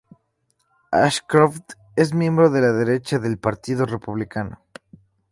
Ashcroft es miembro de la derecha del partido republicano.